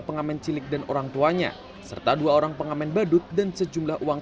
pengamen cilik dan orang tuanya serta dua orang pengamen badut dan sejumlah uang